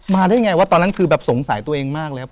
มาได้ยังไงตอนนั้นคือสงสัยตัวเองมากเลยครับ